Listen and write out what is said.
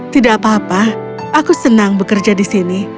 tidak apa apa aku senang bekerja di sini